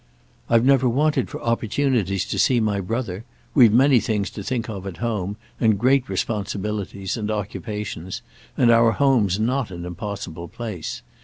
"I've never wanted for opportunities to see my brother. We've many things to think of at home, and great responsibilities and occupations, and our home's not an impossible place.